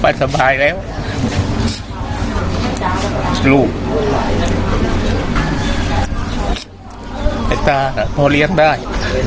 ไอ้ตาพอเลี้ยงได้